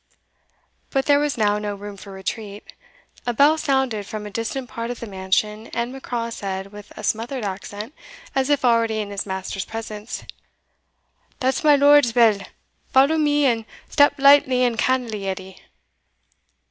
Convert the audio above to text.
But there was now no room for retreat a bell sounded from a distant part of the mansion, and Macraw said, with a smothered accent, as if already in his master's presence, "That's my lord's bell! follow me, and step lightly and cannily, Edie."